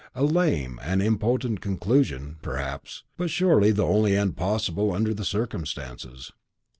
"A lame and impotent conclusion," perhaps, but surely the only end possible under the circumstances.